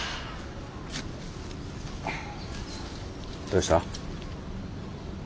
どうした？